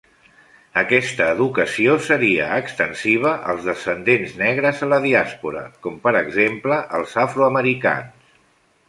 Aquesta educació seria extensiva als descendents negres a la diàspora, com per exemple els afroamericans.